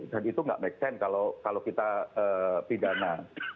dan itu nggak make sense kalau kita pidana